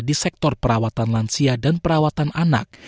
di sektor perawatan lansia dan perawatan anak